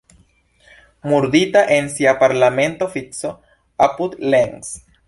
Murdita en sia parlamenta ofico apud Leeds.